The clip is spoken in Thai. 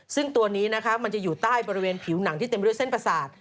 ซึ่งตัวนี้นะคะมันจะอยู่ใต้บริเวณผิวหนังที่เต็มไปด้วยเส้นประสาท